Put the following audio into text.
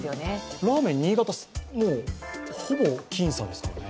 ラーメン、新潟ほぼ僅差ですもんね。